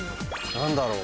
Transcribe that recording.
何だろう？